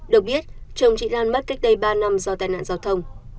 được biết chồng chị lan mất cách đây ba năm do tai nạn giao thông